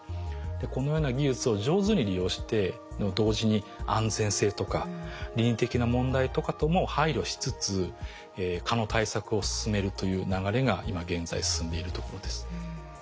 このような技術を上手に利用して同時に安全性とか倫理的な問題とかとも配慮しつつ蚊の対策を進めるという流れが今現在進んでいるところです。